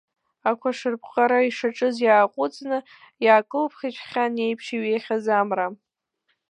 Ақәашырпҟҟара ишаҿыз иааҟәыҵны иаакылԥхеит жәхьан еиԥш иҩеихьаз амра.